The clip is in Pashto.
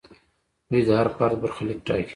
دوی د هر فرد برخلیک ټاکي.